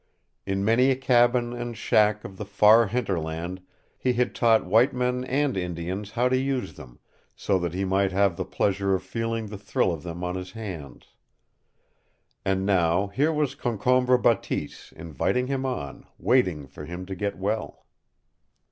In many a cabin and shack of the far hinterland he had taught white men and Indians how to use them, so that he might have the pleasure of feeling the thrill of them on his hands. And now here was Concombre Bateese inviting him on, waiting for him to get well!